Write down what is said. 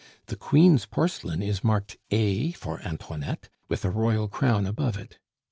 The queen's porcelain is marked A for Antoinette, with a royal crown above it.